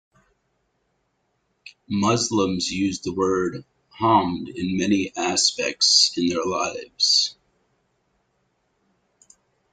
Muslims use the word Hamd in many aspects in their lives.